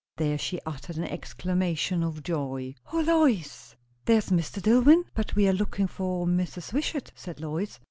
There she uttered an exclamation of joy. "O Lois! there's Mr. Dillwyn?" "But we are looking for Mrs. Wishart," said Lois.